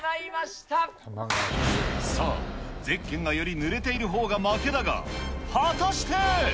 さあ、ゼッケンがよりぬれているほうが負けだが、果たして。